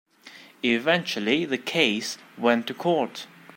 Eventually the case went to court.